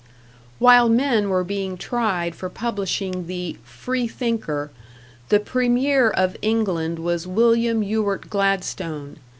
While men were being tried for publishing the "Free thinker", the Premier of England was William Ewart Gladstone.